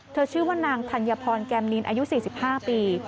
ชื่อว่านางธัญพรแกมนินอายุ๔๕ปี